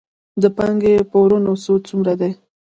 د بانکي پورونو سود څومره دی؟